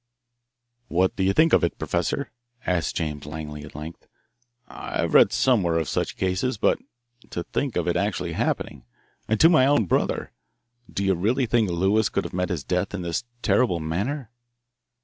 "What do you think of it, Professor" asked James Langley, at length. "I've read somewhere of such cases, but to think of its actually happening and to my own brother. Do you really think Lewis could have met his death in this terrible manner?"